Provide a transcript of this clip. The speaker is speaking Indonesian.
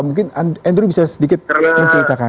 mungkin andrew bisa sedikit menceritakan